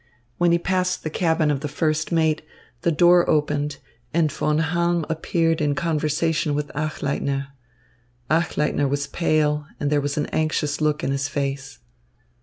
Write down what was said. When he passed the cabin of the first mate, the door opened, and Von Halm appeared in conversation with Achleitner. Achleitner was pale, and there was an anxious look in his face.